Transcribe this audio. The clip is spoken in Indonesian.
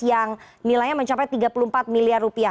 yang nilainya mencapai tiga puluh empat miliar rupiah